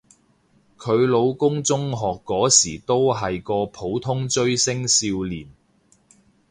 佢老公中學嗰時都係個普通追星少年